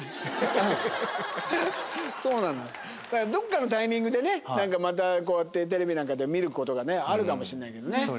そうなのだからどっかのタイミングでねまたこうやってテレビなんかで見ることがねあるかもしれないけどね。